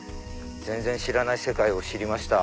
全然知らない世界を知りました。